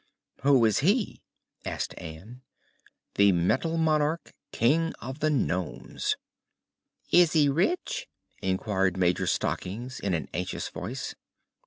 "Who is he?" asked Ann. "The Metal Monarch, King of the Nomes." "Is he rich?" inquired Major Stockings in an anxious voice.